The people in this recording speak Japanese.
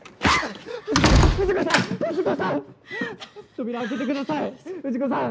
扉開けてください藤子さん！